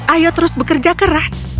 ayo terus bekerja keras